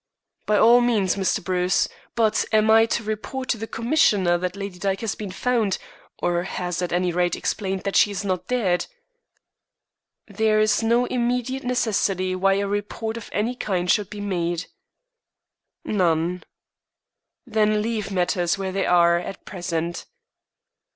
"By all means, Mr. Bruce. But am I to report to the Commissioner that Lady Dyke has been found, or has, at any rate, explained that she is not dead?" "There is no immediate necessity why a report of any kind should be made." "None." "Then leave matters where they are at present."